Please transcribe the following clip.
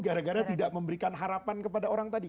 gara gara tidak memberikan harapan kepada orang tadi